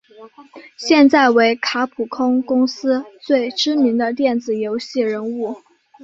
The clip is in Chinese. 现在为卡普空公司最知名的电子游戏人物。